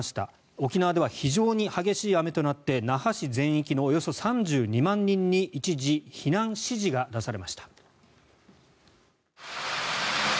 沖縄では非常に激しい雨となって那覇市全域のおよそ３２万人に一時、避難指示が出されました。